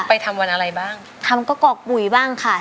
ไปทำวันอะไรบ้างทำกระกรอกปุ๋ยบ้างค่ะ